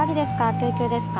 救急ですか？